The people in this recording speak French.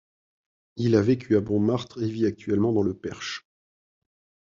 Il a vécu à Montmartre et vit actuellement dans le Perche.